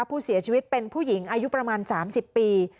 ผู้เสียชีวิตเป็นผู้หญิงอายุประมาณ๓๐ปี